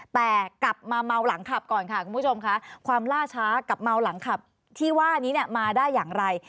แต่กลับมาเมาหลังขับก่อนค่ะคุณผู้ชมค่ะความล่าช้ากับเมาหลังขับที่ว่านี้เนี่ยมาได้อย่างไร